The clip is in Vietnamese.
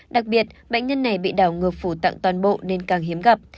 đặc biệt bệnh nhân này bị đào ngược phủ tạng toàn bộ nên càng hiếm gặp